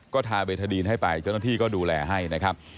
ก็ทาเบทาดีนให้ไปเจ้าหน้าที่ก็ดูแลให้นะครับ